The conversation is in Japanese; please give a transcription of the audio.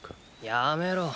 やめろ。